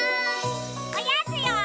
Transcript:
おやつよ！